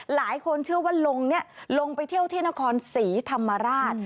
หลายคนเชื่อว่าลงนี้ลงไปเที่ยวที่นครศรีธรรมราช